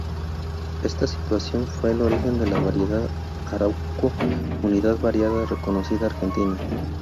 Esta situación fue el origen de la variedad Arauco, única variedad reconocida argentina.